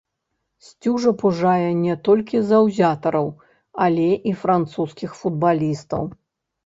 Сцюжа пужае не толькі заўзятараў, але і французскіх футбалістаў.